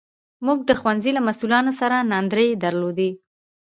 موږ د ښوونځي له مسوولانو سره ناندرۍ درلودې.